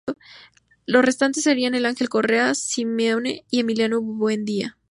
Los restantes serían de Ángel Correa, Simeone y Emiliano Buendía.